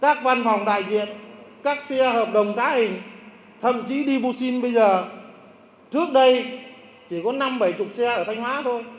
các văn phòng đại diện các xe hợp đồng giá hình thậm chí antes chỉ có năm mươi xe ở thanh hóa thôi